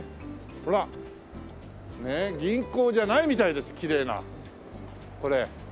ほら銀行じゃないみたいですきれいな。これ。